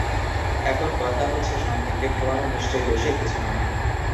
এখন কথা হচ্ছে, সন্তানকে খাওয়ানো নিশ্চয়ই দোষের কিছু নয়।